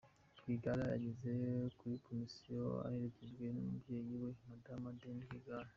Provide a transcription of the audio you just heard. Rwigara yageze kuri Komisiyo aherekejwe n'umubyeyi we, Madamu Adeline Rwigara.